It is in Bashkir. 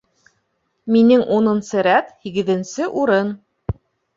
Минең унынсы рәт, һигеҙенсе урын.